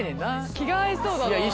気が合いそうだな。